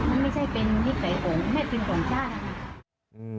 มันไม่ใช่เป็นนิสัยของแม่เป็นของชาตินะคะ